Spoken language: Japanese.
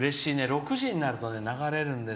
６時になると流れるんです